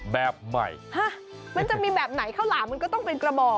แบบใหม่ฮะมันจะมีแบบไหนข้าวหลามมันก็ต้องเป็นกระบอก